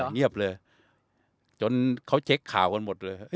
เงียบเลยจนเขาเช็คข่าวกันหมดเลย